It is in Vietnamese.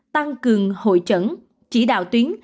tăng cường hội chẩn chỉ đạo tuyến